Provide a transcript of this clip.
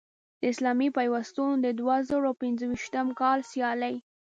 د اسلامي پیوستون د دوه زره پنځویشتم کال سیالۍ